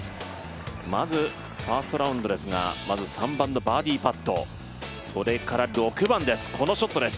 まずファーストラウンドですが、３番のバーディーパットそれから６番です、このショットです。